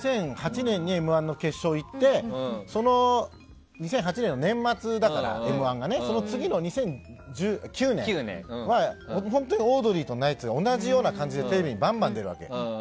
２００８年に「Ｍ‐１」の決勝行ってその２００８年「Ｍ‐１」が年末だからその次の２００９年は本当にオードリーとナイツが同じような感じでテレビにバンバン出るわけ。